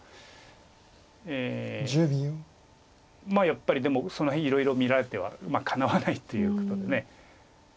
やっぱりでもその辺いろいろ見られてはかなわないということで。